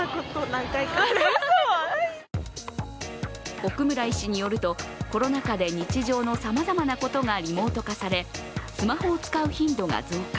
奥村医師によると、コロナ禍で日常のさまざまなことがリモート化されスマホを使う頻度が増加。